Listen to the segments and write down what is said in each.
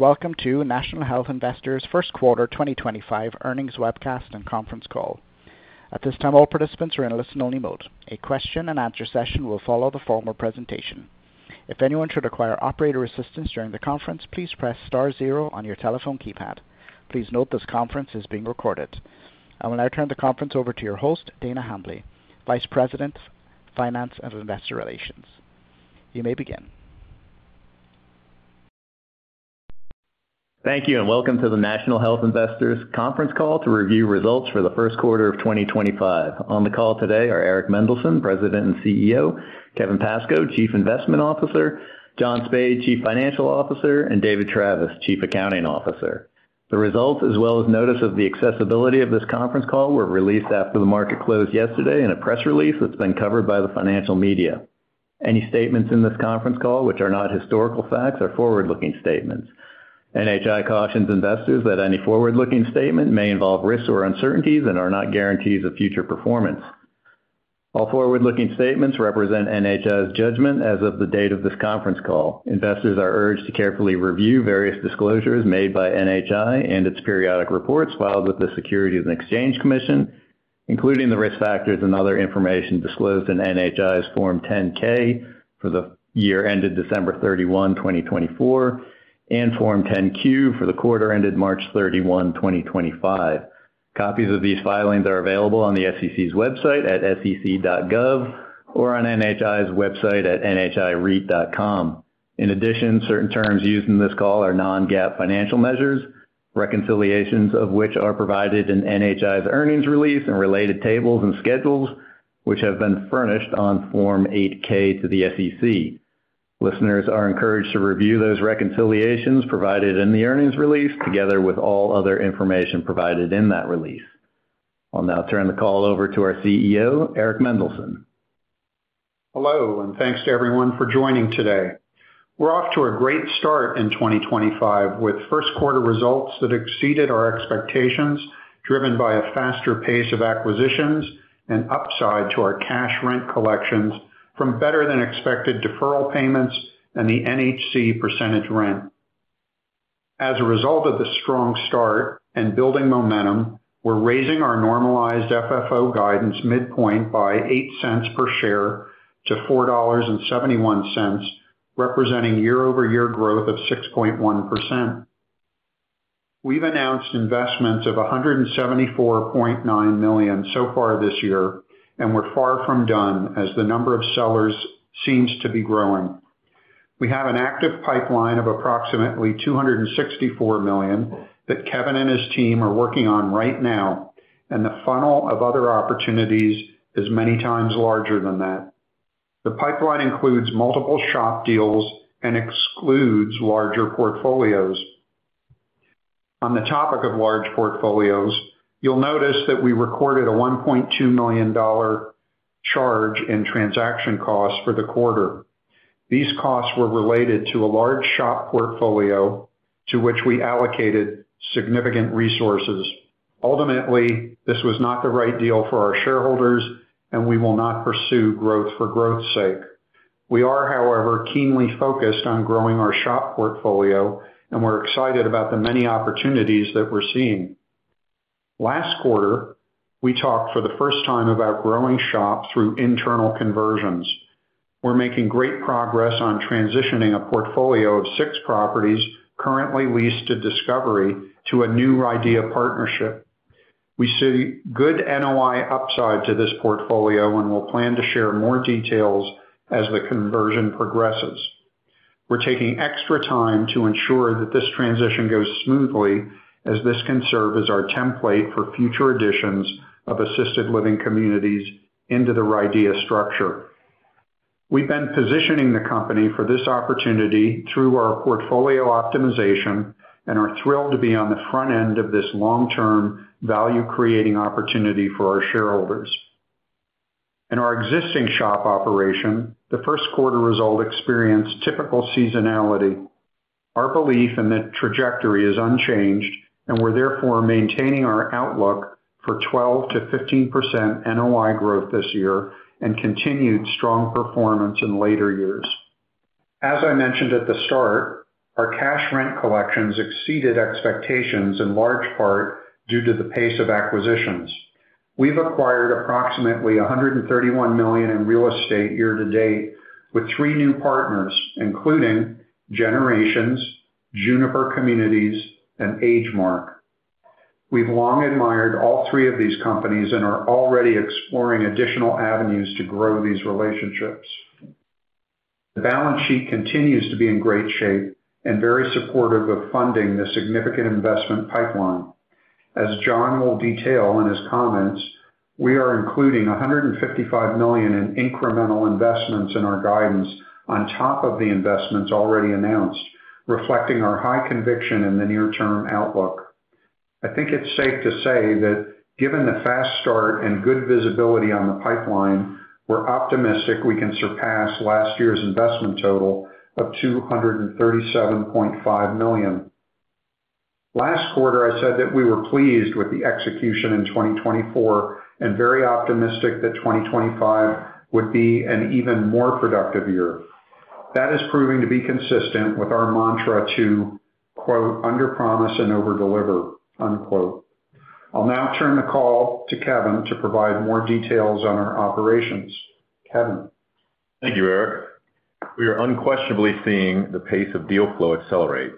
Welcome to National Health Investors First Quarter 2025 Earnings Webcast and Conference Call. At this time, all participants are in a listen-only mode. A question-and-answer session will follow the formal presentation. If anyone should require operator assistance during the conference, please press star zero on your telephone keypad. Please note this conference is being recorded. I will now turn the conference over to your host, Dana Hambly, Vice President, Finance and Investor Relations. You may begin. Thank you, and welcome to the National Health Investors Conference Call to review results for the first quarter of 2025. On the call today are Eric Mendelsohn, President and CEO; Kevin Pascoe, Chief Investment Officer; John Spaid, Chief Financial Officer; and David Travis, Chief Accounting Officer. The results, as well as notice of the accessibility of this conference call, were released after the market closed yesterday in a press release that has been covered by the financial media. Any statements in this conference call, which are not historical facts, are forward-looking statements. NHI cautions investors that any forward-looking statement may involve risks or uncertainties and are not guarantees of future performance. All forward-looking statements represent NHI's judgment as of the date of this conference call. Investors are urged to carefully review various disclosures made by NHI and its periodic reports filed with the U.S. Securities and Exchange Commission, including the risk factors and other information disclosed in NHI's Form 10-K for the year ended December 31, 2024, and Form 10-Q for the quarter ended March 31, 2025. Copies of these filings are available on the SEC's website at sec.gov or on NHI's website at nhire.com. In addition, certain terms used in this call are non-GAAP financial measures, reconciliations of which are provided in NHI's earnings release and related tables and schedules, which have been furnished on Form 8-K to the SEC. Listeners are encouraged to review those reconciliations provided in the earnings release together with all other information provided in that release. I'll now turn the call over to our CEO, Eric Mendelsohn. Hello, and thanks to everyone for joining today. We're off to a great start in 2025 with first-quarter results that exceeded our expectations, driven by a faster pace of acquisitions and upside to our cash rent collections from better-than-expected deferral payments and the NHC percentage rent. As a result of the strong start and building momentum, we're raising our normalized FFO guidance midpoint by $0.08 per share to $4.71, representing year-over-year growth of 6.1%. We've announced investments of $174.9 million so far this year, and we're far from done as the number of sellers seems to be growing. We have an active pipeline of approximately $264 million that Kevin and his team are working on right now, and the funnel of other opportunities is many times larger than that. The pipeline includes multiple SHOP deals and excludes larger portfolios. On the topic of large portfolios, you'll notice that we recorded a $1.2 million charge in transaction costs for the quarter. These costs were related to a large SHOP portfolio to which we allocated significant resources. Ultimately, this was not the right deal for our shareholders, and we will not pursue growth for growth's sake. We are, however, keenly focused on growing our SHOP portfolio, and we're excited about the many opportunities that we're seeing. Last quarter, we talked for the first time about growing SHOP through internal conversions. We're making great progress on transitioning a portfolio of six properties currently leased to Discovery Senior Living to a new Ridgeline partnership. We see good NOI upside to this portfolio and will plan to share more details as the conversion progresses. We're taking extra time to ensure that this transition goes smoothly as this can serve as our template for future additions of assisted living communities into the RIDEA structure. We've been positioning the company for this opportunity through our portfolio optimization and are thrilled to be on the front end of this long-term value-creating opportunity for our shareholders. In our existing SHOP operation, the first quarter result experienced typical seasonality. Our belief in the trajectory is unchanged, and we're therefore maintaining our outlook for 12%-15% NOI growth this year and continued strong performance in later years. As I mentioned at the start, our cash rent collections exceeded expectations in large part due to the pace of acquisitions. We've acquired approximately $131 million in real estate year to date with three new partners, including Generations, Juniper Communities, and AgeMark. We've long admired all three of these companies and are already exploring additional avenues to grow these relationships. The balance sheet continues to be in great shape and very supportive of funding the significant investment pipeline. As John will detail in his comments, we are including $155 million in incremental investments in our guidance on top of the investments already announced, reflecting our high conviction in the near-term outlook. I think it's safe to say that given the fast start and good visibility on the pipeline, we're optimistic we can surpass last year's investment total of $237.5 million. Last quarter, I said that we were pleased with the execution in 2024 and very optimistic that 2025 would be an even more productive year. That is proving to be consistent with our mantra to, quote, "under promise and over deliver," unquote. I'll now turn the call to Kevin to provide more details on our operations. Kevin. Thank you, Eric. We are unquestionably seeing the pace of deal flow accelerate.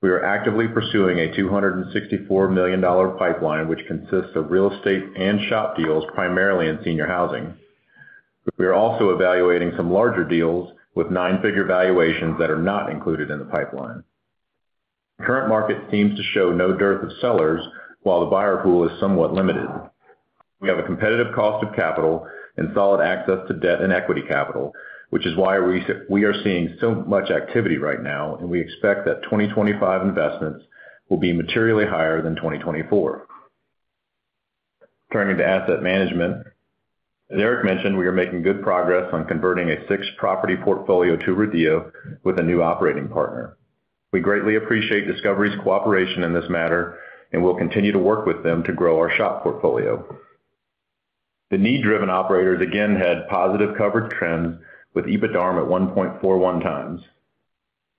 We are actively pursuing a $264 million pipeline, which consists of real estate and SHOP deals primarily in senior housing. We are also evaluating some larger deals with nine-figure valuations that are not included in the pipeline. Current market seems to show no dearth of sellers, while the buyer pool is somewhat limited. We have a competitive cost of capital and solid access to debt and equity capital, which is why we are seeing so much activity right now, and we expect that 2025 investments will be materially higher than 2024. Turning to asset management, as Eric mentioned, we are making good progress on converting a six-property portfolio to RIDEA with a new operating partner. We greatly appreciate Discovery's cooperation in this matter and will continue to work with them to grow our SHOP portfolio. The need-driven operators again had positive coverage trends with EBITDARM at 1.41 times.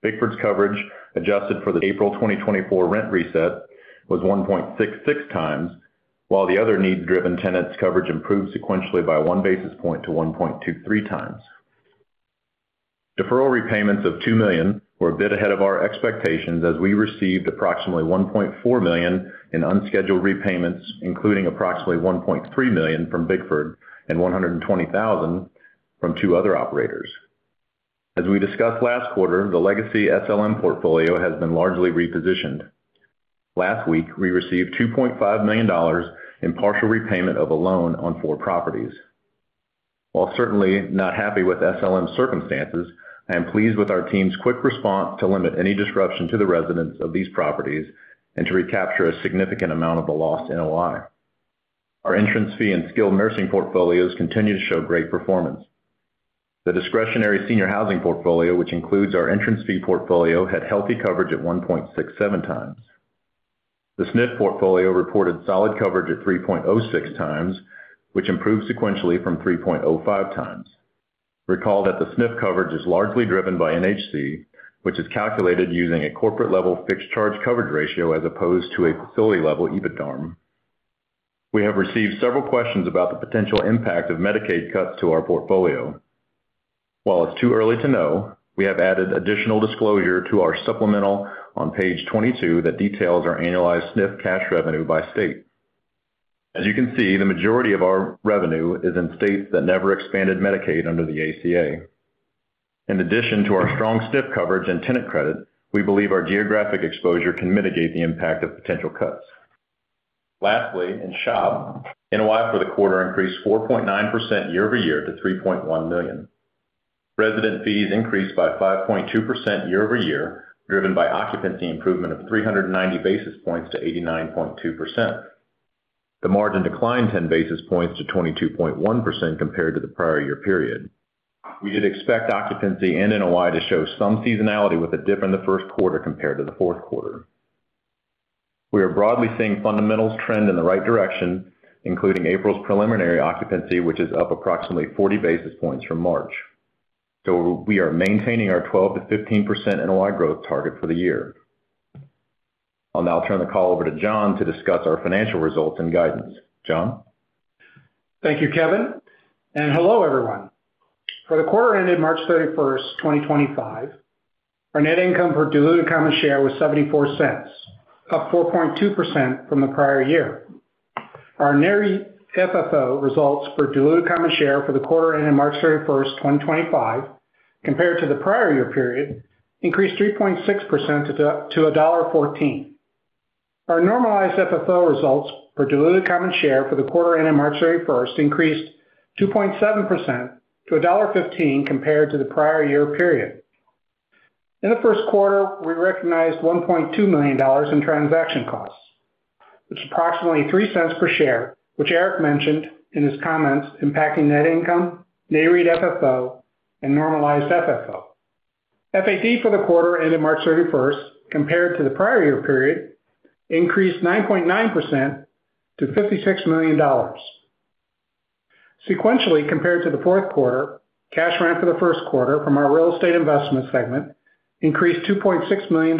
Bigford's coverage adjusted for the April 2024 rent reset was 1.66 times, while the other need-driven tenants' coverage improved sequentially by one basis point to 1.23 times. Deferral repayments of $2 million were a bit ahead of our expectations as we received approximately $1.4 million in unscheduled repayments, including approximately $1.3 million from Bigford and $120,000 from two other operators. As we discussed last quarter, the legacy SLM portfolio has been largely repositioned. Last week, we received $2.5 million in partial repayment of a loan on four properties. While certainly not happy with SLM's circumstances, I am pleased with our team's quick response to limit any disruption to the residents of these properties and to recapture a significant amount of the lost NOI. Our entrance fee and skilled nursing portfolios continue to show great performance. The discretionary senior housing portfolio, which includes our entrance fee portfolio, had healthy coverage at 1.67 times. The SNIF portfolio reported solid coverage at 3.06 times, which improved sequentially from 3.05 times. Recall that the SNIF coverage is largely driven by NHC, which is calculated using a corporate-level fixed charge coverage ratio as opposed to a facility-level EBITDARM. We have received several questions about the potential impact of Medicaid cuts to our portfolio. While it's too early to know, we have added additional disclosure to our supplemental on page 22 that details our annualized SNIF cash revenue by state. As you can see, the majority of our revenue is in states that never expanded Medicaid under the ACA. In addition to our strong SNIF coverage and tenant credit, we believe our geographic exposure can mitigate the impact of potential cuts. Lastly, in SHOP, NOI for the quarter increased 4.9% year-over-year to $3.1 million. Resident fees increased by 5.2% year-over-year, driven by occupancy improvement of 390 basis points to 89.2%. The margin declined 10 basis points to 22.1% compared to the prior year period. We did expect occupancy and NOI to show some seasonality with a dip in the first quarter compared to the fourth quarter. We are broadly seeing fundamentals trend in the right direction, including April's preliminary occupancy, which is up approximately 40 basis points from March. We are maintaining our 12%-15% NOI growth target for the year. I'll now turn the call over to John to discuss our financial results and guidance. John? Thank you, Kevin. Hello, everyone. For the quarter ended March 31st, 2025, our net income per diluted common share was $0.74, up 4.2% from the prior year. Our normalized FFO results per diluted common share for the quarter ended March 31st, 2025, compared to the prior year period, increased 3.6% to $1.14. Our normalized FFO results per diluted common share for the quarter ended March 31st increased 2.7% to $1.15 compared to the prior year period. In the first quarter, we recognized $1.2 million in transaction costs, which is approximately $0.03 per share, which Eric mentioned in his comments impacting net income, normalized FFO, and normalized FFO. FAD for the quarter ended March 31st, compared to the prior year period, increased 9.9% to $56 million. Sequentially, compared to the fourth quarter, cash rent for the first quarter from our real estate investment segment increased $2.6 million.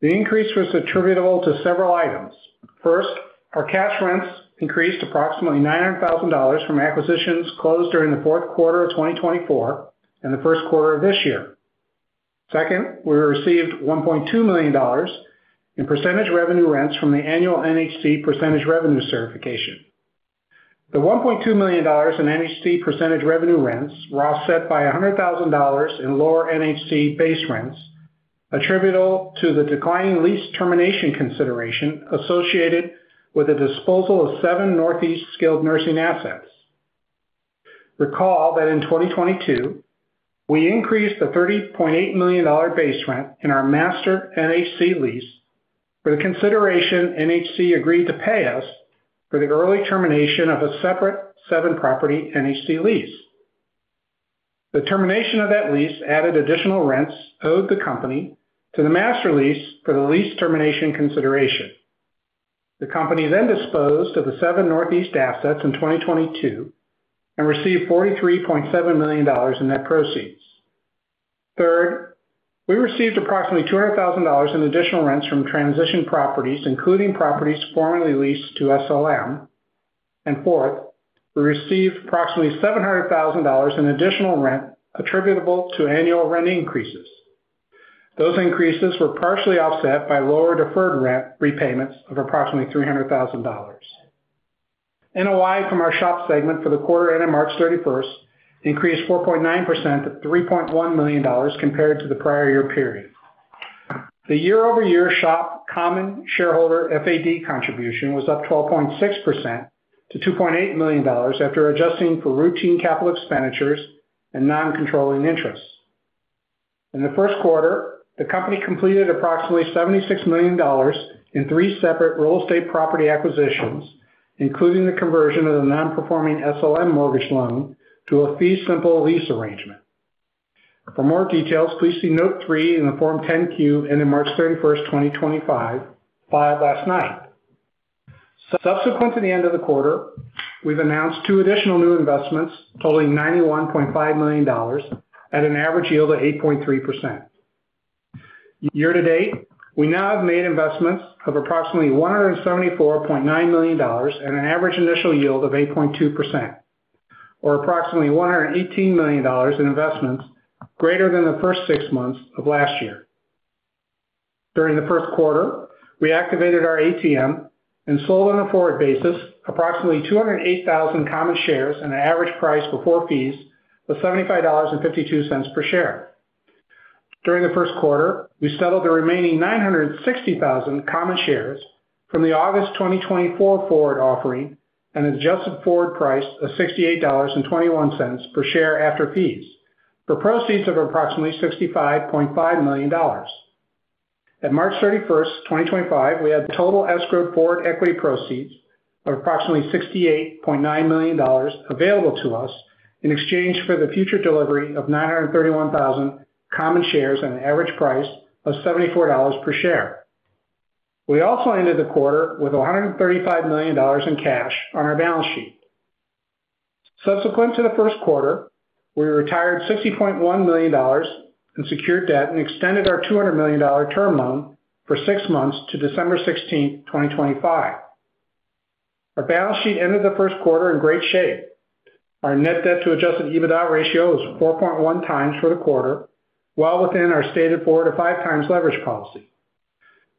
The increase was attributable to several items. First, our cash rents increased approximately $900,000 from acquisitions closed during the fourth quarter of 2024 and the first quarter of this year. Second, we received $1.2 million in percentage revenue rents from the annual NHC percentage revenue certification. The $1.2 million in NHC percentage revenue rents were offset by $100,000 in lower NHC base rents, attributable to the declining lease termination consideration associated with the disposal of seven Northeast skilled nursing assets. Recall that in 2022, we increased the $30.8 million base rent in our master NHC lease for the consideration NHC agreed to pay us for the early termination of a separate seven-property NHC lease. The termination of that lease added additional rents owed the company to the master lease for the lease termination consideration. The company then disposed of the seven Northeast assets in 2022 and received $43.7 million in net proceeds. Third, we received approximately $200,000 in additional rents from transition properties, including properties formerly leased to SLM. Fourth, we received approximately $700,000 in additional rent attributable to annual rent increases. Those increases were partially offset by lower deferred rent repayments of approximately $300,000. NOI from our SHOP segment for the quarter ended March 31st increased 4.9% to $3.1 million compared to the prior year period. The year-over-year SHOP common shareholder FAD contribution was up 12.6% to $2.8 million after adjusting for routine capital expenditures and non-controlling interest. In the first quarter, the company completed approximately $76 million in three separate real estate property acquisitions, including the conversion of the non-performing SLM mortgage loan to a fee simple lease arrangement. For more details, please see note three in the Form 10-Q ended March 31st, 2025, filed last night. Subsequent to the end of the quarter, we've announced two additional new investments totaling $91.5 million at an average yield of 8.3%. Year to date, we now have made investments of approximately $174.9 million at an average initial yield of 8.2%, or approximately $118 million in investments greater than the first six months of last year. During the first quarter, we activated our ATM and sold on a forward basis approximately 208,000 common shares at an average price before fees of $75.52 per share. During the first quarter, we settled the remaining 960,000 common shares from the August 2024 forward offering at an adjusted forward price of $68.21 per share after fees for proceeds of approximately $65.5 million. At March 31st, 2025, we had total escrow forward equity proceeds of approximately $68.9 million available to us in exchange for the future delivery of 931,000 common shares at an average price of $74 per share. We also ended the quarter with $135 million in cash on our balance sheet. Subsequent to the first quarter, we retired $60.1 million in secured debt and extended our $200 million term loan for six months to December 16, 2025. Our balance sheet ended the first quarter in great shape. Our net debt-to-adjusted EBITDA ratio was 4.1 times for the quarter, well within our stated 4-5 times leverage policy.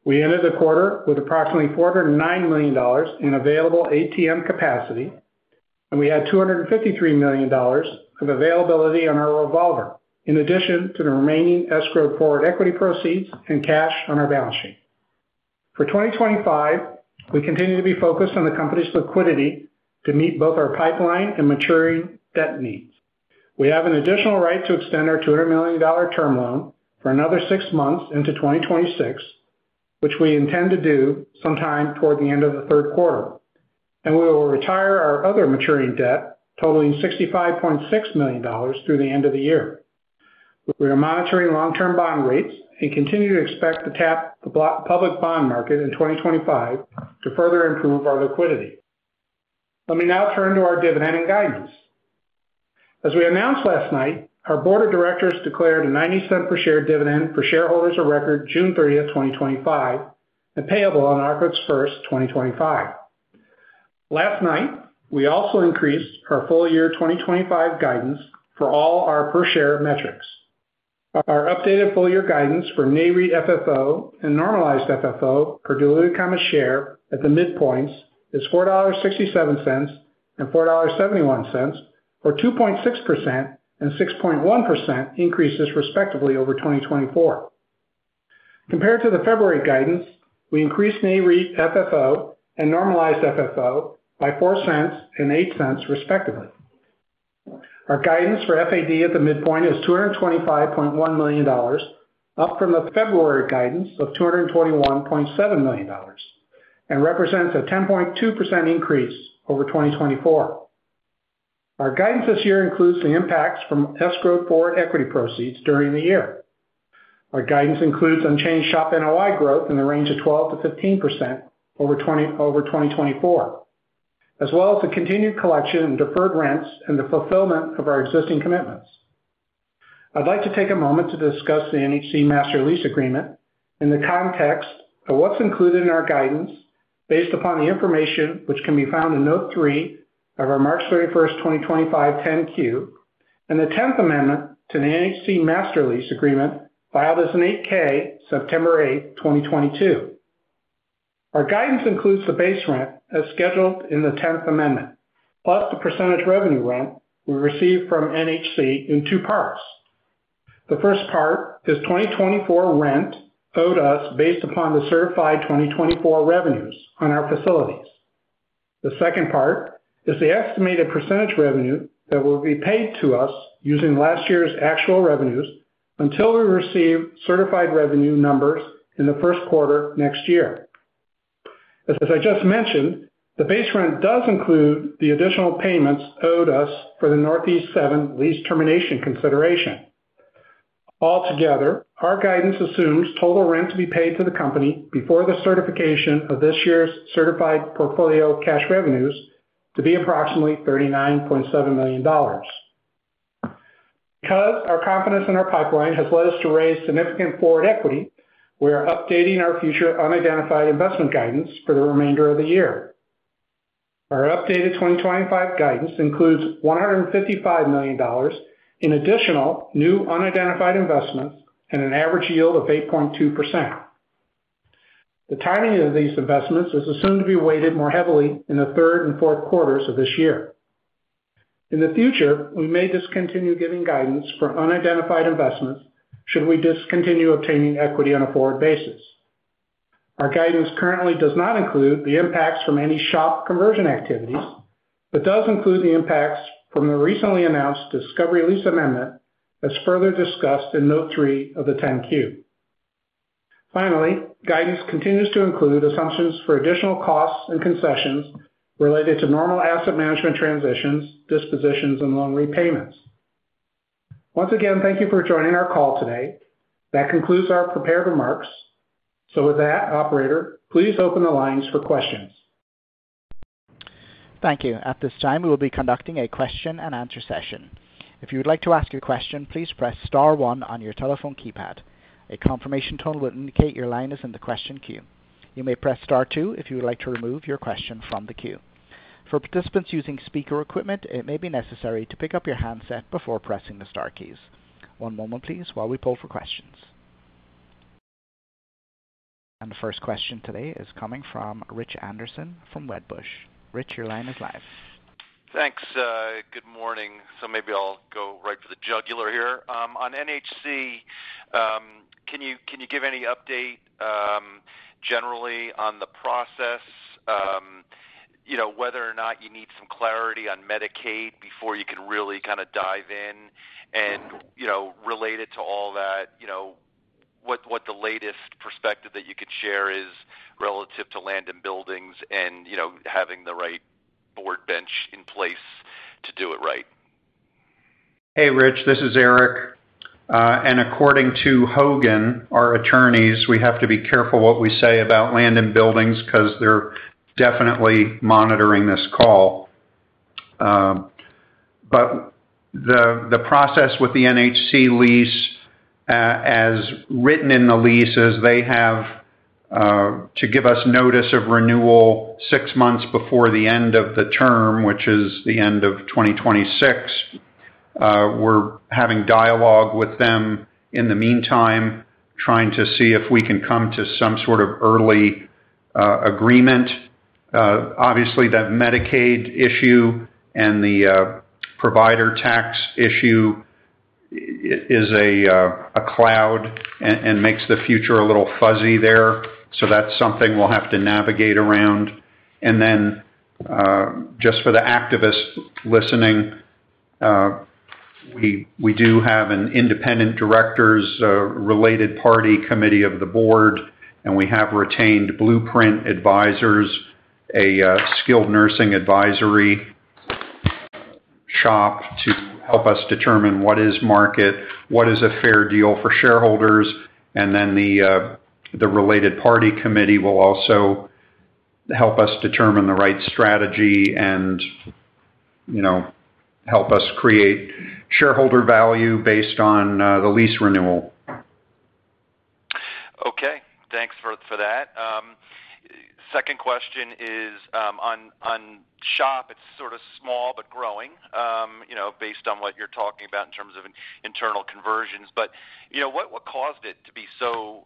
We ended the quarter with approximately $409 million in available ATM capacity, and we had $253 million of availability on our revolver, in addition to the remaining escrow forward equity proceeds and cash on our balance sheet. For 2025, we continue to be focused on the company's liquidity to meet both our pipeline and maturing debt needs. We have an additional right to extend our $200 million term loan for another six months into 2026, which we intend to do sometime toward the end of the third quarter. We will retire our other maturing debt totaling $65.6 million through the end of the year. We are monitoring long-term bond rates and continue to expect to tap the public bond market in 2025 to further improve our liquidity. Let me now turn to our dividend and guidance. As we announced last night, our board of directors declared a $0.90 per share dividend for shareholders of record June 30, 2025, and payable on August 1, 2025. Last night, we also increased our full year 2025 guidance for all our per share metrics. Our updated full year guidance for normalized FFO and normalized FFO per diluted common share at the midpoints is $4.67 and $4.71 for 2.6% and 6.1% increases respectively over 2024. Compared to the February guidance, we increased normalized FFO and normalized FFO by $0.04 and $0.08 respectively. Our guidance for FAD at the midpoint is $225.1 million, up from the February guidance of $221.7 million, and represents a 10.2% increase over 2024. Our guidance this year includes the impacts from escrow forward equity proceeds during the year. Our guidance includes unchanged SHOP NOI growth in the range of 12-15% over 2024, as well as the continued collection and deferred rents and the fulfillment of our existing commitments. I'd like to take a moment to discuss the NHC master lease agreement in the context of what's included in our guidance based upon the information which can be found in note three of our March 31st, 2025, 10Q, and the 10th Amendment to the NHC master lease agreement filed as an 8-K September 8, 2022. Our guidance includes the base rent as scheduled in the 10th Amendment, plus the percentage revenue rent we received from NHC in two parts. The first part is 2024 rent owed to us based upon the certified 2024 revenues on our facilities. The second part is the estimated percentage revenue that will be paid to us using last year's actual revenues until we receive certified revenue numbers in the first quarter next year. As I just mentioned, the base rent does include the additional payments owed to us for the Northeast Seven lease termination consideration. Altogether, our guidance assumes total rent to be paid to the company before the certification of this year's certified portfolio cash revenues to be approximately $39.7 million. Because our confidence in our pipeline has led us to raise significant forward equity, we are updating our future unidentified investment guidance for the remainder of the year. Our updated 2025 guidance includes $155 million in additional new unidentified investments and an average yield of 8.2%. The timing of these investments is assumed to be weighted more heavily in the third and fourth quarters of this year. In the future, we may discontinue giving guidance for unidentified investments should we discontinue obtaining equity on a forward basis. Our guidance currently does not include the impacts from any SHOP conversion activities, but does include the impacts from the recently announced Discovery lease amendment, as further discussed in note three of the 10Q. Finally, guidance continues to include assumptions for additional costs and concessions related to normal asset management transitions, dispositions, and loan repayments. Once again, thank you for joining our call today. That concludes our prepared remarks. With that, Operator, please open the lines for questions. Thank you. At this time, we will be conducting a question and answer session. If you would like to ask a question, please press Star 1 on your telephone keypad. A confirmation tone will indicate your line is in the question queue. You may press Star 2 if you would like to remove your question from the queue. For participants using speaker equipment, it may be necessary to pick up your handset before pressing the star keys. One moment, please, while we pull for questions. The first question today is coming from Rich Anderson from Wedbush. Rich, your line is live. Thanks. Good morning. Maybe I'll go right for the jugular here. On NHC, can you give any update generally on the process, whether or not you need some clarity on Medicaid before you can really kind of dive in and relate it to all that? What the latest perspective that you could share is relative to land and buildings and having the right board bench in place to do it right? Hey, Rich. This is Eric. According to Hogan Lovells, our attorneys, we have to be careful what we say about land and buildings because they're definitely monitoring this call. The process with the NHC master lease, as written in the leases, they have to give us notice of renewal six months before the end of the term, which is the end of 2026. We're having dialogue with them in the meantime, trying to see if we can come to some sort of early agreement. Obviously, that Medicaid issue and the provider tax issue is a cloud and makes the future a little fuzzy there. That's something we'll have to navigate around. For the activists listening, we do have an independent directors' related party committee of the board, and we have retained Blueprint Advisors, a skilled nursing advisory shop, to help us determine what is market, what is a fair deal for shareholders, and then the related party committee will also help us determine the right strategy and help us create shareholder value based on the lease renewal. Okay. Thanks for that. Second question is on SHOP. It's sort of small but growing based on what you're talking about in terms of internal conversions. What caused it to be so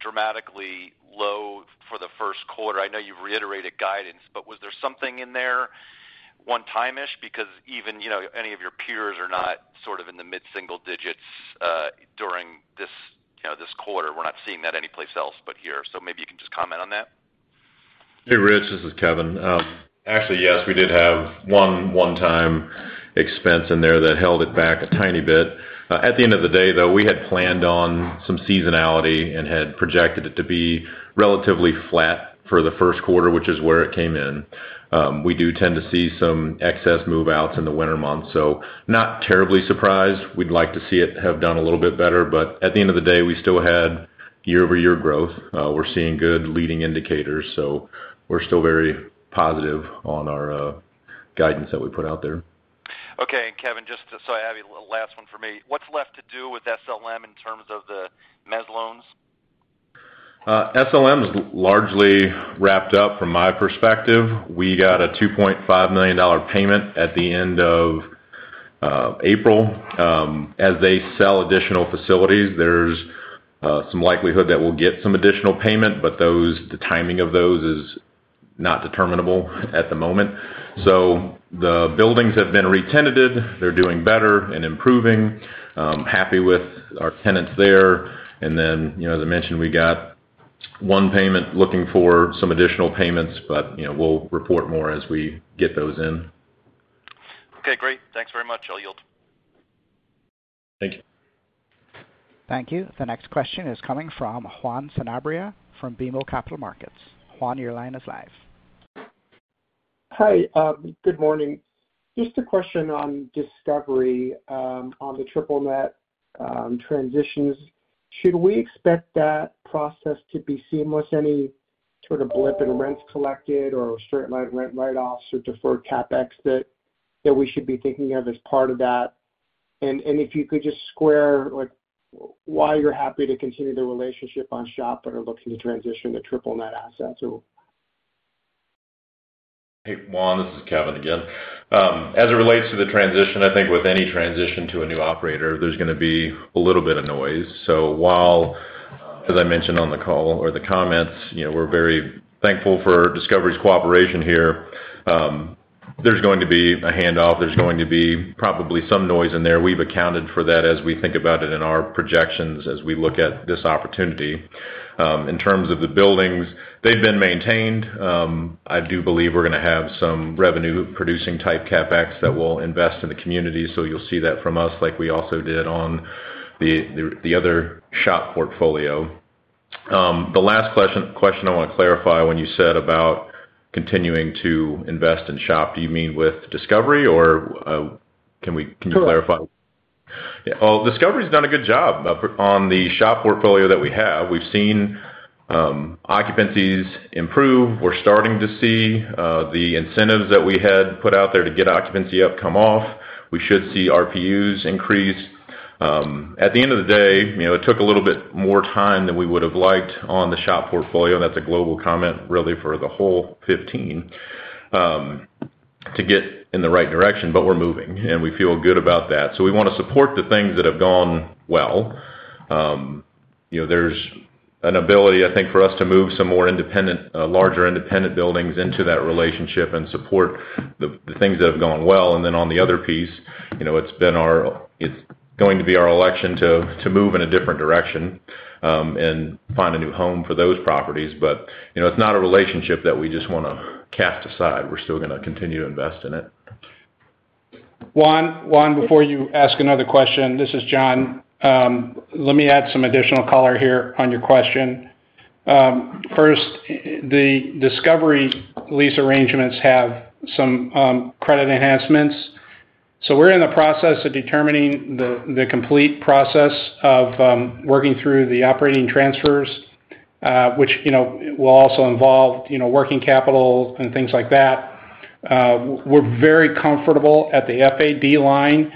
dramatically low for the first quarter? I know you've reiterated guidance, but was there something in there one-time-ish? Because even any of your peers are not sort of in the mid-single digits during this quarter. We're not seeing that anyplace else but here. Maybe you can just comment on that? Hey, Rich. This is Kevin. Actually, yes, we did have a one-time expense in there that held it back a tiny bit. At the end of the day, though, we had planned on some seasonality and had projected it to be relatively flat for the first quarter, which is where it came in. We do tend to see some excess move-outs in the winter months, so not terribly surprised. We'd like to see it have done a little bit better. At the end of the day, we still had year-over-year growth. We're seeing good leading indicators, so we're still very positive on our guidance that we put out there. Okay. Kevin, just so I have a last one for me. What's left to do with SLM in terms of the mezz loans? SLM is largely wrapped up from my perspective. We got a $2.5 million payment at the end of April. As they sell additional facilities, there's some likelihood that we'll get some additional payment, but the timing of those is not determinable at the moment. The buildings have been retented. They're doing better and improving. Happy with our tenants there. As I mentioned, we got one payment looking for some additional payments, but we'll report more as we get those in. Okay. Great. Thanks very much, Elliott. Thank you. Thank you. The next question is coming from Juan Sanabria from BMO Capital Markets. Juan, your line is live. Hi. Good morning. Just a question on Discovery on the triple net transitions. Should we expect that process to be seamless? Any sort of blip in rents collected or straight line rent write-offs or deferred CapEx that we should be thinking of as part of that? If you could just square why you're happy to continue the relationship on SHOP but are looking to transition to triple net assets or. Hey, Juan. This is Kevin again. As it relates to the transition, I think with any transition to a new operator, there's going to be a little bit of noise. So while, as I mentioned on the call or the comments, we're very thankful for Discovery's cooperation here, there's going to be a handoff. There's going to be probably some noise in there. We've accounted for that as we think about it in our projections as we look at this opportunity. In terms of the buildings, they've been maintained. I do believe we're going to have some revenue-producing type CapEx that will invest in the community. So you'll see that from us like we also did on the other SHOP portfolio. The last question I want to clarify when you said about continuing to invest in SHOP, do you mean with Discovery or can you clarify? Discovery. Yeah. Discovery's done a good job on the SHOP portfolio that we have. We've seen occupancies improve. We're starting to see the incentives that we had put out there to get occupancy up come off. We should see RPUs increase. At the end of the day, it took a little bit more time than we would have liked on the SHOP portfolio. That's a global comment really for the whole 2015 to get in the right direction, but we're moving and we feel good about that. We want to support the things that have gone well. There's an ability, I think, for us to move some more larger independent buildings into that relationship and support the things that have gone well. On the other piece, it's going to be our election to move in a different direction and find a new home for those properties. It is not a relationship that we just want to cast aside. We're still going to continue to invest in it. Juan, before you ask another question, this is John. Let me add some additional color here on your question. First, the Discovery lease arrangements have some credit enhancements. We are in the process of determining the complete process of working through the operating transfers, which will also involve working capital and things like that. We are very comfortable at the FAD line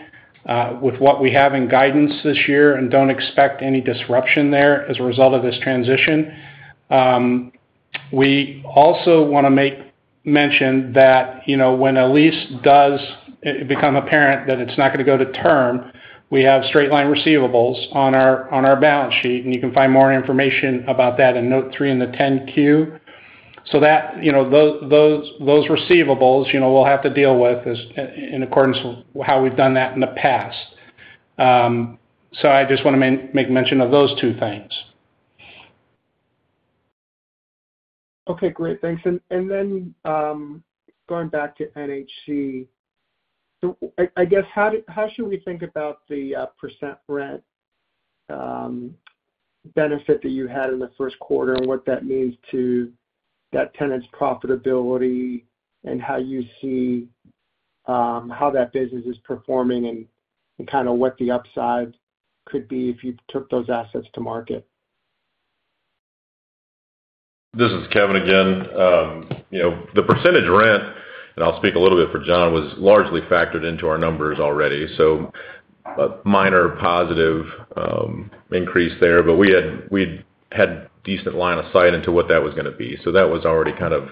with what we have in guidance this year and do not expect any disruption there as a result of this transition. We also want to mention that when a lease does become apparent that it is not going to go to term, we have straight line receivables on our balance sheet, and you can find more information about that in note three in the 10Q. Those receivables we will have to deal with in accordance with how we have done that in the past. I just want to make mention of those two things. Okay. Great. Thanks. Going back to NHC, I guess how should we think about the % rent benefit that you had in the first quarter and what that means to that tenant's profitability and how you see how that business is performing and kind of what the upside could be if you took those assets to market? This is Kevin again. The percentage rent, and I'll speak a little bit for John, was largely factored into our numbers already. Minor positive increase there, but we had decent line of sight into what that was going to be. That was already kind of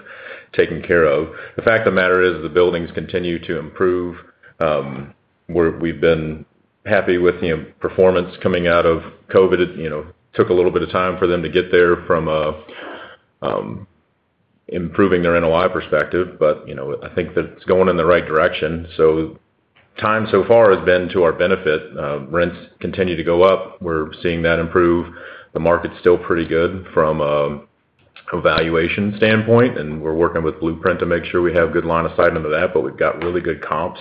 taken care of. The fact of the matter is the buildings continue to improve. We've been happy with the performance coming out of COVID. It took a little bit of time for them to get there from improving their NOI perspective, but I think that it's going in the right direction. Time so far has been to our benefit. Rents continue to go up. We're seeing that improve. The market's still pretty good from a valuation standpoint, and we're working with Blueprint Advisors to make sure we have good line of sight into that, but we've got really good comps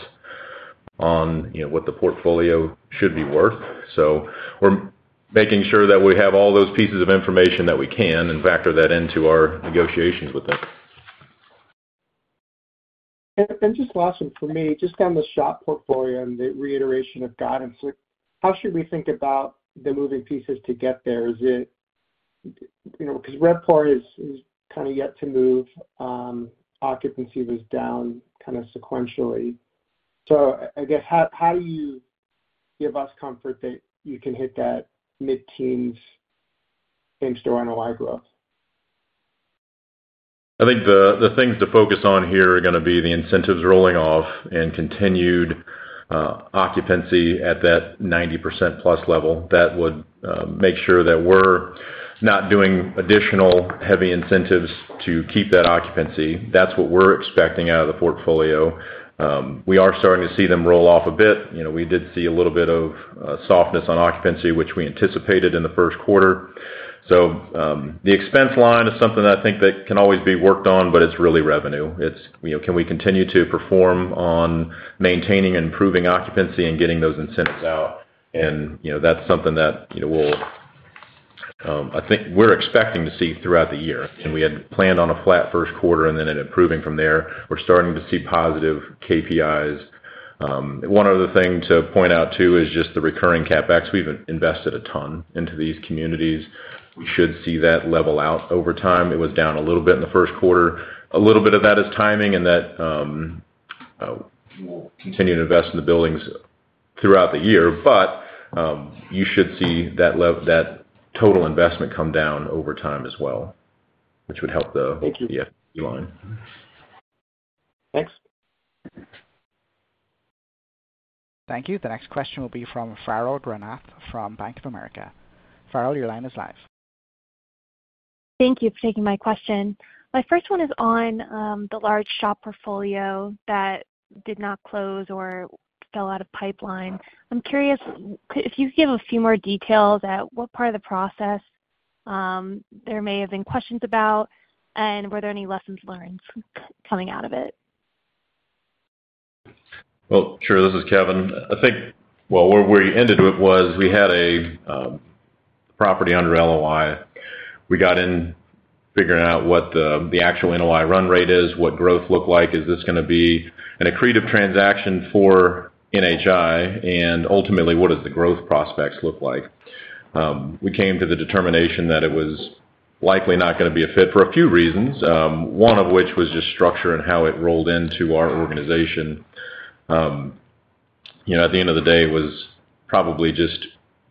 on what the portfolio should be worth. We are making sure that we have all those pieces of information that we can and factor that into our negotiations with them. Just last one for me, just on the SHOP portfolio and the reiteration of guidance, how should we think about the moving pieces to get there? Because Wedbush is kind of yet to move. Occupancy was down kind of sequentially. I guess how do you give us comfort that you can hit that mid-teens in-store NOI growth? I think the things to focus on here are going to be the incentives rolling off and continued occupancy at that 90%+ level. That would make sure that we're not doing additional heavy incentives to keep that occupancy. That's what we're expecting out of the portfolio. We are starting to see them roll off a bit. We did see a little bit of softness on occupancy, which we anticipated in the first quarter. The expense line is something that I think that can always be worked on, but it's really revenue. Can we continue to perform on maintaining and improving occupancy and getting those incentives out? That's something that we'll, I think we're expecting to see throughout the year. We had planned on a flat first quarter and then improving from there. We're starting to see positive KPIs. One other thing to point out too is just the recurring CapEx. We've invested a ton into these communities. We should see that level out over time. It was down a little bit in the first quarter. A little bit of that is timing and that we'll continue to invest in the buildings throughout the year, but you should see that total investment come down over time as well, which would help the line. Thanks. Thank you. The next question will be from Farrell Granath from Bank of America. Farrell, your line is live. Thank you for taking my question. My first one is on the large SHOP portfolio that did not close or fell out of pipeline. I'm curious if you could give a few more details at what part of the process there may have been questions about and were there any lessons learned coming out of it? This is Kevin. I think, where we ended with was we had a property under LOI. We got in figuring out what the actual NOI run rate is, what growth looked like, is this going to be an accretive transaction for NHI, and ultimately, what does the growth prospects look like? We came to the determination that it was likely not going to be a fit for a few reasons, one of which was just structure and how it rolled into our organization. At the end of the day, it was probably just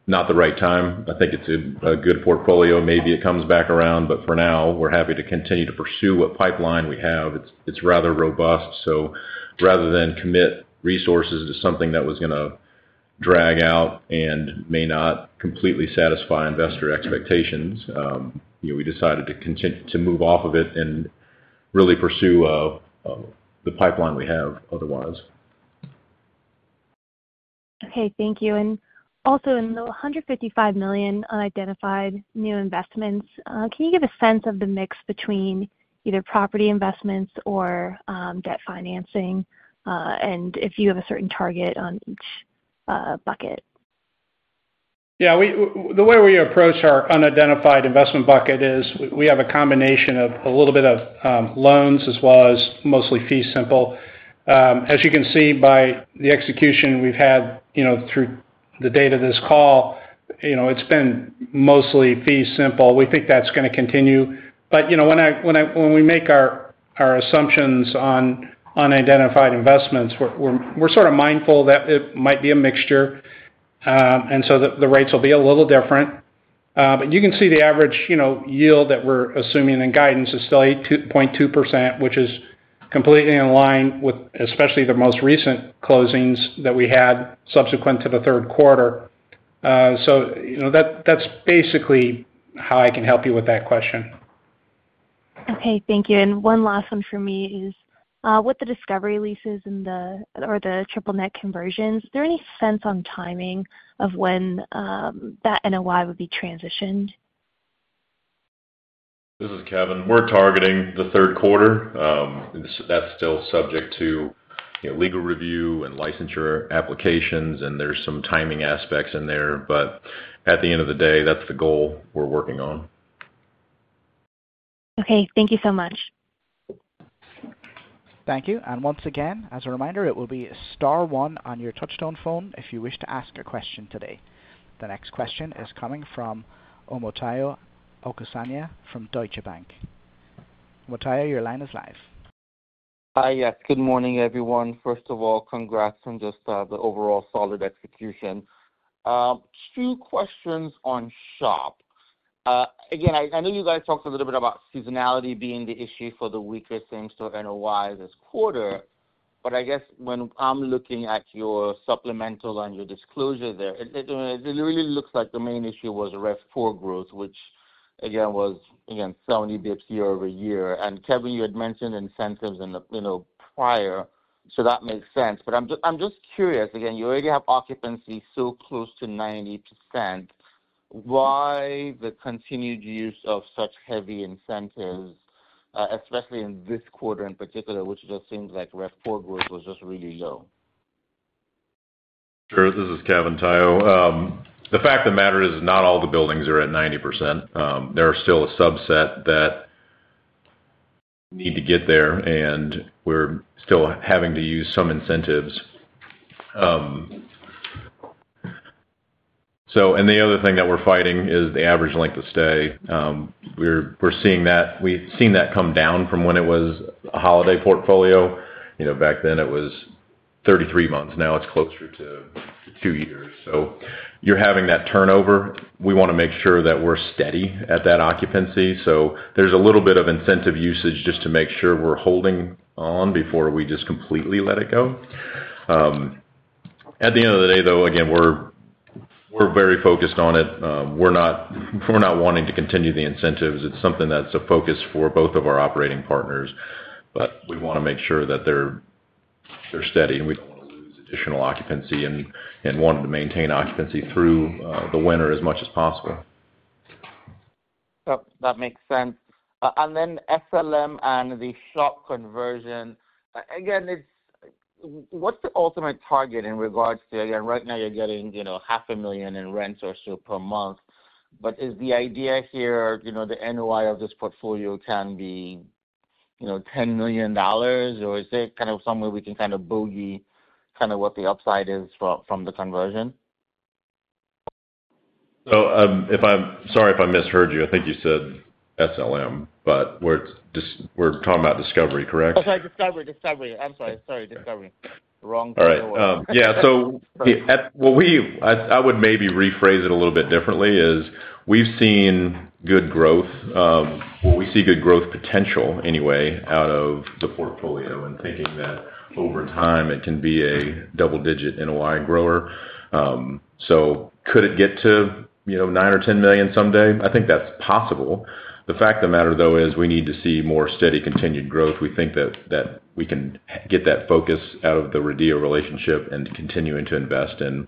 not the right time. I think it's a good portfolio. Maybe it comes back around, but for now, we're happy to continue to pursue what pipeline we have. It's rather robust. Rather than commit resources to something that was going to drag out and may not completely satisfy investor expectations, we decided to move off of it and really pursue the pipeline we have otherwise. Okay. Thank you. Also, in the $155 million unidentified new investments, can you give a sense of the mix between either property investments or debt financing and if you have a certain target on each bucket? Yeah. The way we approach our unidentified investment bucket is we have a combination of a little bit of loans as well as mostly fee simple. As you can see by the execution we've had through the date of this call, it's been mostly fee simple. We think that's going to continue. When we make our assumptions on unidentified investments, we're sort of mindful that it might be a mixture, and so the rates will be a little different. You can see the average yield that we're assuming in guidance is still 8.2%, which is completely in line with especially the most recent closings that we had subsequent to the third quarter. That's basically how I can help you with that question. Okay. Thank you. One last one for me is with the Discovery leases or the triple net conversions, is there any sense on timing of when that NOI would be transitioned? This is Kevin. We're targeting the third quarter. That's still subject to legal review and licensure applications, and there's some timing aspects in there. At the end of the day, that's the goal we're working on. Okay. Thank you so much. Thank you. Once again, as a reminder, it will be star one on your touchstone phone if you wish to ask a question today. The next question is coming from Omotayo Okusanya from Deutsche Bank. Omotayo, your line is live. Hi. Yes. Good morning, everyone. First of all, congrats on just the overall solid execution. Two questions on SHOP. Again, I know you guys talked a little bit about seasonality being the issue for the weaker same-store NOI this quarter, but I guess when I'm looking at your supplemental and your disclosure there, it really looks like the main issue was REF4 growth, which again was 70 basis points year over year. And Kevin, you had mentioned incentives prior, so that makes sense. I'm just curious. You already have occupancy so close to 90%. Why the continued use of such heavy incentives, especially in this quarter in particular, which just seems like REF4 growth was just really low? Sure. This is Kevin Pascoe. The fact of the matter is not all the buildings are at 90%. There are still a subset that need to get there, and we're still having to use some incentives. The other thing that we're fighting is the average length of stay. We're seeing that come down from when it was a Holiday portfolio. Back then, it was 33 months. Now it's closer to two years. You're having that turnover. We want to make sure that we're steady at that occupancy. There's a little bit of incentive usage just to make sure we're holding on before we just completely let it go. At the end of the day, though, again, we're very focused on it. We're not wanting to continue the incentives. It's something that's a focus for both of our operating partners, but we want to make sure that they're steady, and we don't want to lose additional occupancy and want to maintain occupancy through the winter as much as possible. That makes sense. SLM and the SHOP conversion, again, what's the ultimate target in regards to, again, right now you're getting $500,000 in rent or so per month, but is the idea here the NOI of this portfolio can be $10 million, or is there kind of somewhere we can kind of bogey kind of what the upside is from the conversion? Sorry if I misheard you. I think you said SLM, but we're talking about Discovery, correct? Oh, sorry. Discovery. I'm sorry. Sorry. Discovery. Wrong. All right. Yeah. What I would maybe rephrase a little bit differently is we've seen good growth. We see good growth potential anyway out of the portfolio and thinking that over time it can be a double-digit NOI grower. Could it get to $9 million or $10 million someday? I think that's possible. The fact of the matter, though, is we need to see more steady continued growth. We think that we can get that focus out of the RIDEA relationship and continue to invest in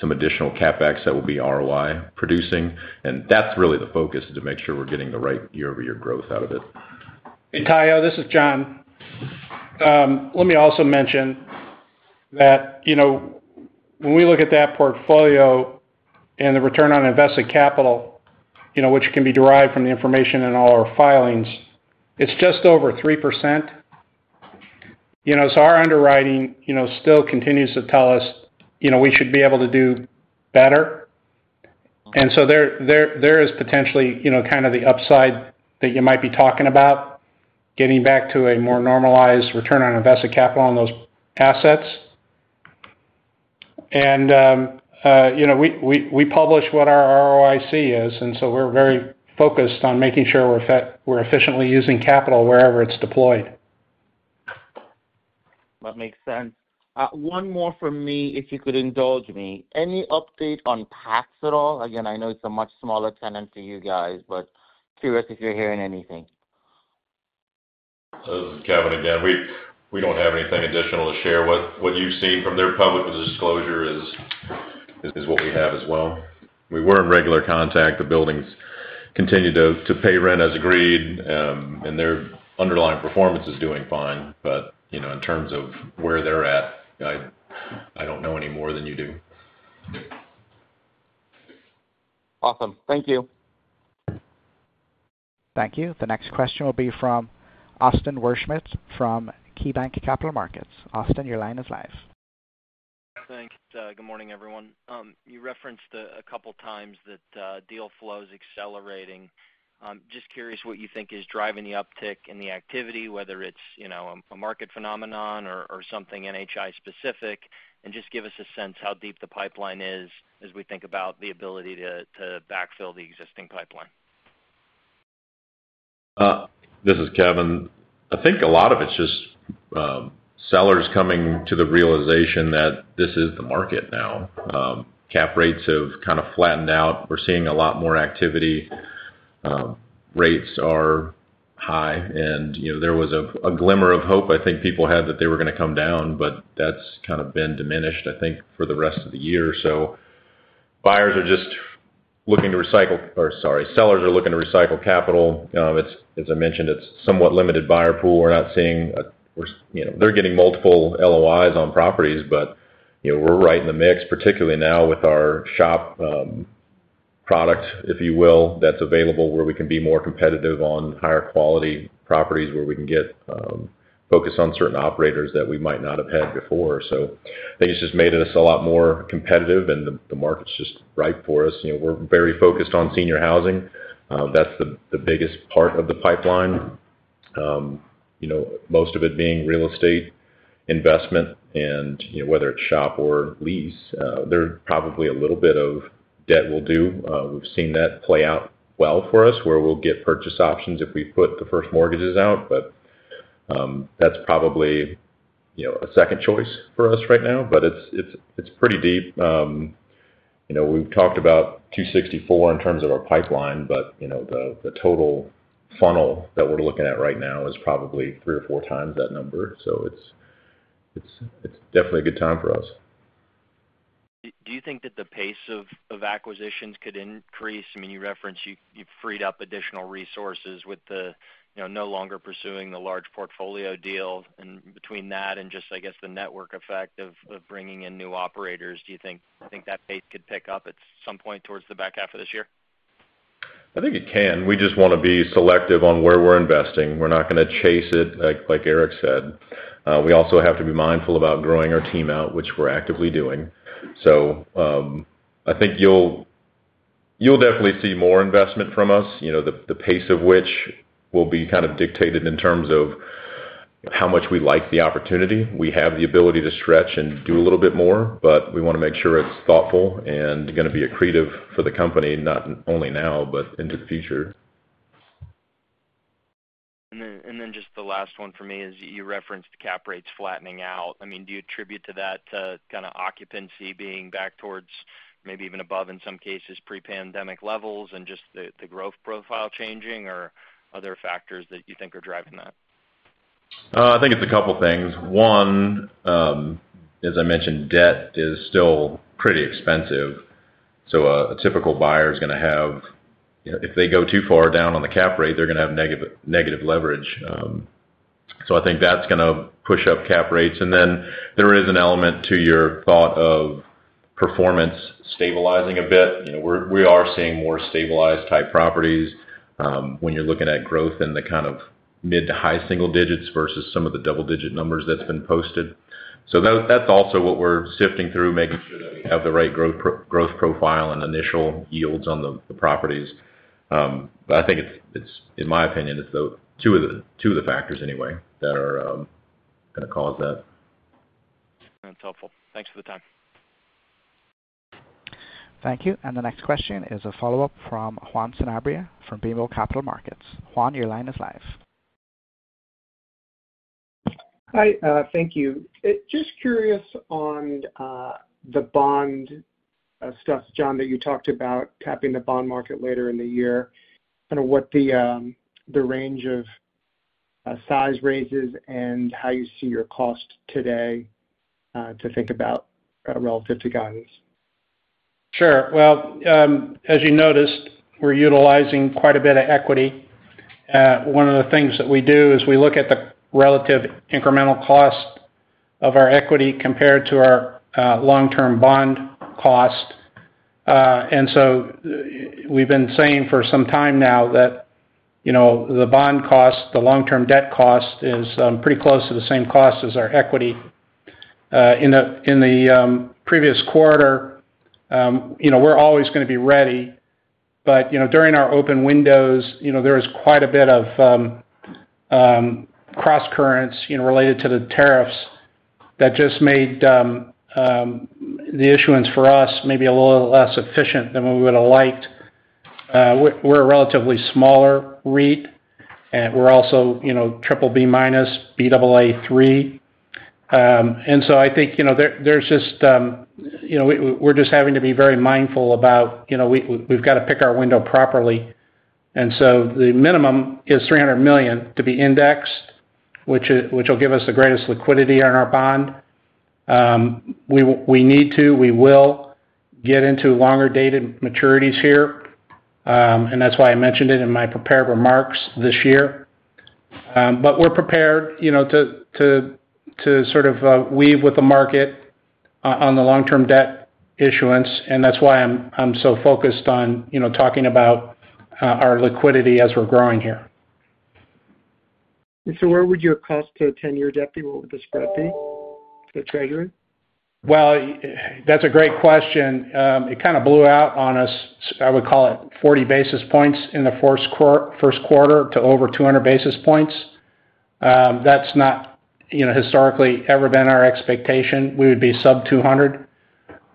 some additional CapEx that will be ROI producing. That's really the focus, to make sure we're getting the right year-over-year growth out of it. Hey, Tayo. This is John. Let me also mention that when we look at that portfolio and the return on invested capital, which can be derived from the information in all our filings, it's just over 3%. Our underwriting still continues to tell us we should be able to do better. There is potentially kind of the upside that you might be talking about getting back to a more normalized return on invested capital on those assets. We publish what our ROIC is, and we are very focused on making sure we're efficiently using capital wherever it's deployed. That makes sense. One more for me, if you could indulge me. Any update on PAX at all? Again, I know it's a much smaller tenant to you guys, but curious if you're hearing anything. This is Kevin again. We do not have anything additional to share. What you have seen from their public disclosure is what we have as well. We were in regular contact. The buildings continue to pay rent as agreed, and their underlying performance is doing fine. In terms of where they are at, I do not know any more than you do. Awesome. Thank you. Thank you. The next question will be from Austin Wurschmidt from KeyBanc Capital Markets. Austin, your line is live. Thanks. Good morning, everyone. You referenced a couple of times that deal flow is accelerating. Just curious what you think is driving the uptick in the activity, whether it's a market phenomenon or something NHI specific, and just give us a sense how deep the pipeline is as we think about the ability to backfill the existing pipeline. This is Kevin. I think a lot of it's just sellers coming to the realization that this is the market now. Cap rates have kind of flattened out. We're seeing a lot more activity. Rates are high. There was a glimmer of hope I think people had that they were going to come down, but that's kind of been diminished, I think, for the rest of the year. Buyers are just looking to recycle, or sorry, sellers are looking to recycle capital. As I mentioned, it's a somewhat limited buyer pool. We're not seeing they're getting multiple LOIs on properties, but we're right in the mix, particularly now with our SHOP product, if you will, that's available where we can be more competitive on higher quality properties where we can get focus on certain operators that we might not have had before. They just made us a lot more competitive, and the market's just ripe for us. We're very focused on senior housing. That's the biggest part of the pipeline, most of it being real estate investment. Whether it's SHOP or lease, there's probably a little bit of debt we'll do. We've seen that play out well for us where we'll get purchase options if we put the first mortgages out, but that's probably a second choice for us right now. It's pretty deep. We've talked about $264 million in terms of our pipeline, but the total funnel that we're looking at right now is probably three or four times that number. It's definitely a good time for us. Do you think that the pace of acquisitions could increase? I mean, you referenced you've freed up additional resources with no longer pursuing the large portfolio deal. Between that and just, I guess, the network effect of bringing in new operators, do you think that pace could pick up at some point towards the back half of this year? I think it can. We just want to be selective on where we're investing. We're not going to chase it like Eric said. We also have to be mindful about growing our team out, which we're actively doing. I think you'll definitely see more investment from us. The pace of which will be kind of dictated in terms of how much we like the opportunity. We have the ability to stretch and do a little bit more, but we want to make sure it's thoughtful and going to be accretive for the company, not only now, but into the future. Just the last one for me is you referenced cap rates flattening out. I mean, do you attribute that to kind of occupancy being back towards maybe even above, in some cases, pre-pandemic levels and just the growth profile changing, or are there factors that you think are driving that? I think it's a couple of things. One, as I mentioned, debt is still pretty expensive. A typical buyer is going to have, if they go too far down on the cap rate, they're going to have negative leverage. I think that's going to push up cap rates. There is an element to your thought of performance stabilizing a bit. We are seeing more stabilized-type properties when you're looking at growth in the kind of mid to high single digits versus some of the double-digit numbers that's been posted. That's also what we're sifting through, making sure that we have the right growth profile and initial yields on the properties. I think, in my opinion, it's two of the factors anyway that are going to cause that. That's helpful. Thanks for the time. Thank you. The next question is a follow-up from Juan Sanabria from BMO Capital Markets. Juan, your line is live. Hi. Thank you. Just curious on the bond stuff, John, that you talked about tapping the bond market later in the year, kind of what the range of size raises and how you see your cost today to think about relative to guidance. Sure. As you noticed, we're utilizing quite a bit of equity. One of the things that we do is we look at the relative incremental cost of our equity compared to our long-term bond cost. We've been saying for some time now that the bond cost, the long-term debt cost, is pretty close to the same cost as our equity. In the previous quarter, we're always going to be ready, but during our open windows, there was quite a bit of cross-currents related to the tariffs that just made the issuance for us maybe a little less efficient than we would have liked. We're a relatively smaller REIT, and we're also BBB-, Baa3. I think we're just having to be very mindful about we've got to pick our window properly. The minimum is $300 million to be indexed, which will give us the greatest liquidity on our bond. We need to, we will get into longer-dated maturities here, and that is why I mentioned it in my prepared remarks this year. We are prepared to sort of weave with the market on the long-term debt issuance, and that is why I am so focused on talking about our liquidity as we are growing here. Where would your cost to a 10-year deputy, what would the spread be to the Treasury? That's a great question. It kind of blew out on us. I would call it 40 basis points in the first quarter to over 200 basis points. That's not historically ever been our expectation. We would be sub 200.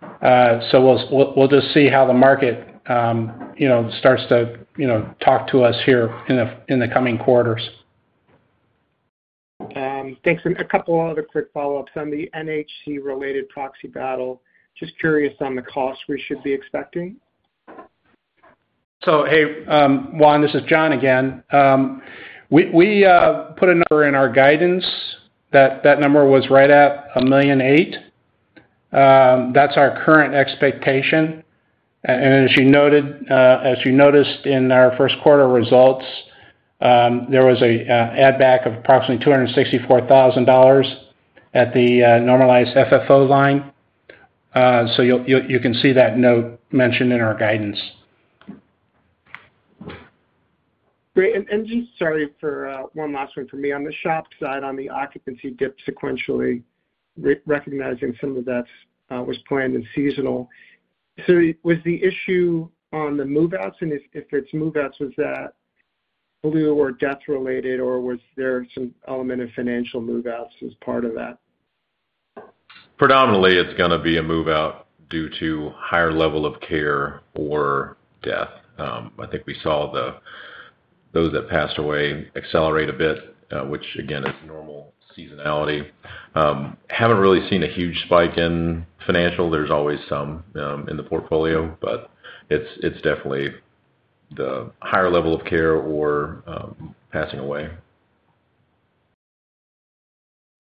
We will just see how the market starts to talk to us here in the coming quarters. Thanks. A couple of other quick follow-ups on the NHC-related proxy battle. Just curious on the cost we should be expecting. Hey, Juan, this is John again. We put a number in our guidance that number was right at $1.8 million. That's our current expectation. As you noticed in our first quarter results, there was an add-back of approximately $264,000 at the normalized FFO line. You can see that note mentioned in our guidance. Great. Just sorry for one last one from me. On the SHOP side, the occupancy dipped sequentially, recognizing some of that was planned and seasonal. Was the issue on the move-outs, and if it is move-outs, was that blue or death-related, or was there some element of financial move-outs as part of that? Predominantly, it's going to be a move-out due to higher level of care or death. I think we saw those that passed away accelerate a bit, which, again, is normal seasonality. Haven't really seen a huge spike in financial. There's always some in the portfolio, but it's definitely the higher level of care or passing away.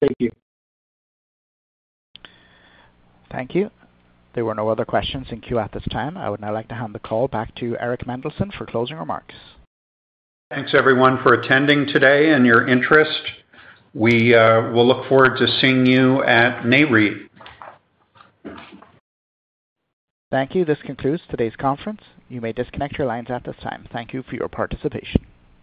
Thank you. Thank you. There were no other questions in queue at this time. I would now like to hand the call back to Eric Mendelsohn for closing remarks. Thanks, everyone, for attending today and your interest. We will look forward to seeing you at NAREIT. Thank you. This concludes today's conference. You may disconnect your lines at this time. Thank you for your participation.